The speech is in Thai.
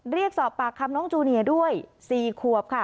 เรียกสอบปากคำน้องจูเนียด้วย๔ขวบค่ะ